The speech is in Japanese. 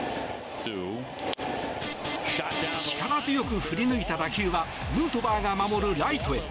力強く振り抜いた打球はヌートバーが守るライトへ。